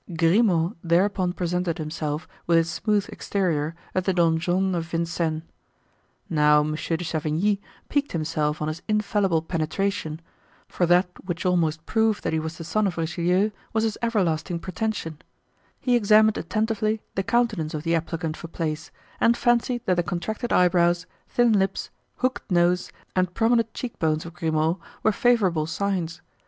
Grimaud thereupon presented himself with his smooth exterior at the donjon of Vincennes. Now Monsieur de Chavigny piqued himself on his infallible penetration; for that which almost proved that he was the son of Richelieu was his everlasting pretension; he examined attentively the countenance of the applicant for place and fancied that the contracted eyebrows, thin lips, hooked nose, and prominent cheek bones of Grimaud were favorable signs.